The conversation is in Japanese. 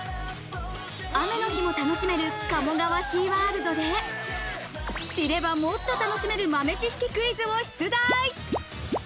雨の日も楽しめる鴨川シーワールドで、知ればもっと楽しめる豆知識クイズを出題。